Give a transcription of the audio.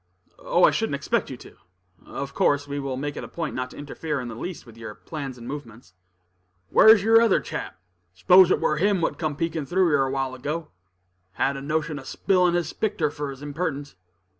"Oh, I shouldn't expect you to. Of course, we will make it a point not to interfere in the least with your plans and movements." "Whar is yer other chap? S'pose it war him what come peakin' through yer a while ago; had a notion of spilin' his picter fur his imperdence."